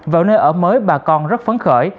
vào nơi ở mới bà con rất phấn khởi